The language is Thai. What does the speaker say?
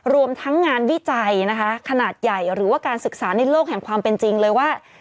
รวมทั้งงานวิจัยนะคะขนาดใหญ่หรือว่าการศึกษาในโลกแห่งความเป็นจริงเลยว่า